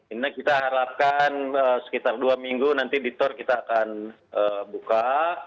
ini kita harapkan sekitar dua minggu nanti di tour kita akan buka